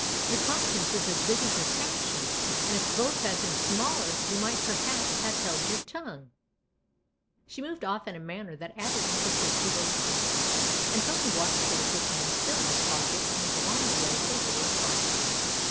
" Your conscience is as big as your passion, and if both had been smaller you might perhaps have held your tongue !" i88 THE OTHER HOUSE She moved off in a manner that added emphasis to her words, and Tony watched her with his hands still in his pockets and his long legs a little apart.